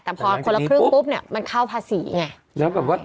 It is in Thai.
แต่พอคนละครึ่งปุ๊บเนี่ยมันเข้าภาษีไง